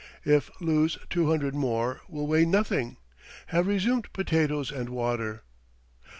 If lose two hundred more will weigh nothing. Have resumed potatoes and water.